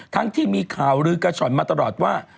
ที่มีข่าวลือกระช่อนมาตลอดว่า